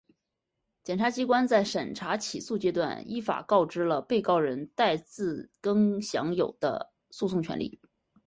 检察机关在审查起诉阶段依法告知了被告人戴自更享有的诉讼权利